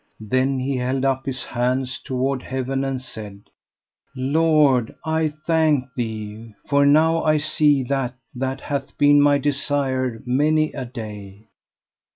Then he held up his hands toward heaven and said: Lord, I thank thee, for now I see that that hath been my desire many a day.